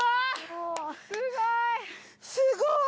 すごい。